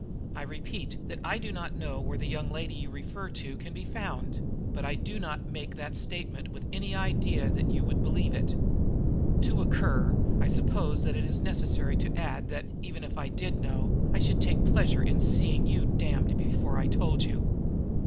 "I repeat that I do not know where the young lady you refer to could be found; but I did not make that statement with any idea that you would believe it. To a cur, I suppose it is necessary to add that, even if I did know, I should take pleasure in seeing you damned before I told you."